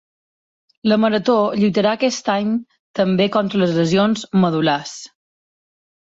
La Marató lluitarà aquest any també contra les lesions medul·lars